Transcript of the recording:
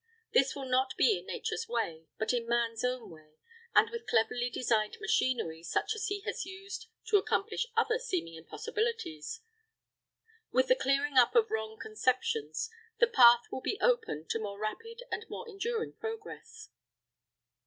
This will not be in Nature's way, but in man's own way, and with cleverly designed machinery such as he has used to accomplish other seeming impossibilities. With the clearing up of wrong conceptions, the path will be open to more rapid and more enduring progress.